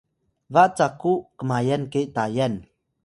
ba caku kmayan ke Tayal